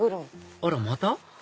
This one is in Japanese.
あらまた？